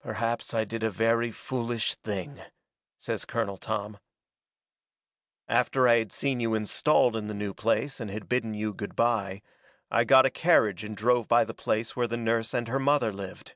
"Perhaps I did a very foolish thing," says Colonel Tom. "After I had seen you installed in the new place and had bidden you good bye, I got a carriage and drove by the place where the nurse and her mother lived.